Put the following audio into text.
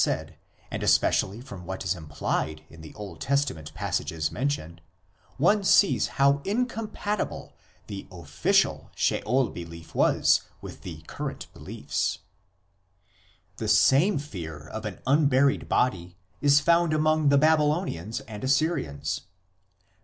31 ff. 180 IMMORTALITY AND THE UNSEEN WORLD Testament passages mentioned, one sees how incompatible the " official " Sheol belief was with the current beliefs. The same fear of an unburied body is found among the Babylonians and Assyrians.